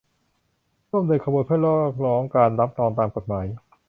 ร่วมเดินขบวนเพื่อเรียกร้องการรับรองตามกฎหมาย